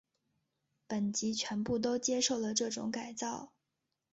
本级全部都接受了这种改造。